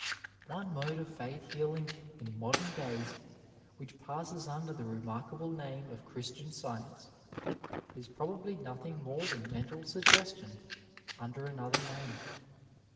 One mode of faith healing in modem days, which passes under the remarkable name of Christian Science, is probably nothing more than mental suggestion under another name.